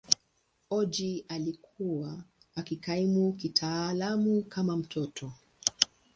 Ojo alikuwa akikaimu kitaaluma kama mtoto.